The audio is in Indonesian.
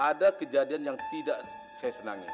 ada kejadian yang tidak saya senangi